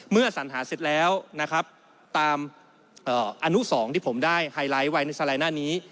สัญหาเสร็จแล้วนะครับตามอนุสองที่ผมได้ไฮไลท์ไว้ในสไลด์หน้านี้